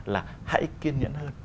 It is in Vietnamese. là hãy kiên nhẫn hơn